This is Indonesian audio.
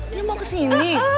dia mau kesini